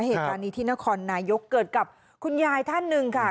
เหตุการณ์นี้ที่นครนายกเกิดกับคุณยายท่านหนึ่งค่ะ